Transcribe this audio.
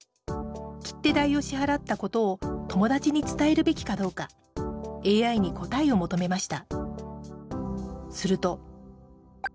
切手代を支払ったことを友達に伝えるべきかどうかＡＩに答えを求めました。